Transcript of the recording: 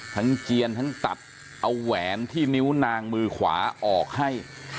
เจียนทั้งตัดเอาแหวนที่นิ้วนางมือขวาออกให้